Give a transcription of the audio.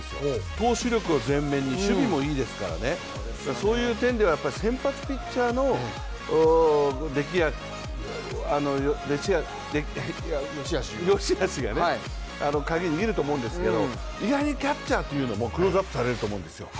投手力を前面に守備もいいですからね、そういう点では先発ピッチャーのよしあしがカギを握ると思うんですけど意外にキャッチャーというのもクローズアップされると思うんですよ。